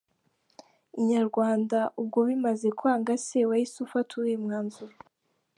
Inyarwanda: Ubwo bimaze kwanga se wahise ufata uwuhe mwanzuro?.